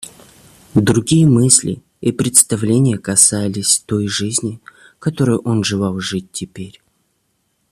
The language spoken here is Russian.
Другие мысли и представления касались той жизни, которою он желал жить теперь.